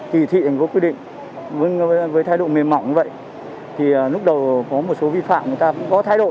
thì thị thành phố quy định với thái độ mềm mỏng như vậy thì lúc đầu có một số vi phạm người ta cũng có thái độ